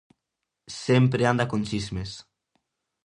Sempre anda con chismes.